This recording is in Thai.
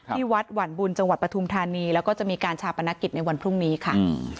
ที่วัดหวั่นบุญจังหวัดปฐุมธานีแล้วก็จะมีการชาปนกิจในวันพรุ่งนี้ค่ะ